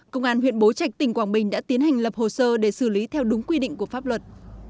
công an huyện bố trạch tỉnh quảng bình đã tiến hành lập hồ sơ để xử lý theo đúng quy định của pháp luật